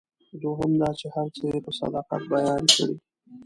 دوهم دا چې هر څه یې په صداقت بیان کړي.